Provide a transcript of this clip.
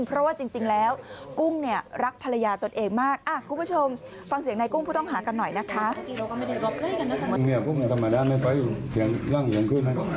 เพราะว่าจริงแล้วกุ้งรักภรรยาตัวเองมาก